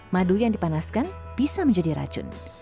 madu yang dipanaskan bisa menjadi racun